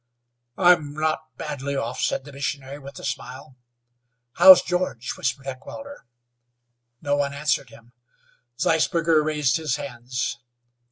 "I'm not badly off," said the missionary with a smile. "How's George?" whispered Heckewelder. No one answered him. Zeisberger raised his hands.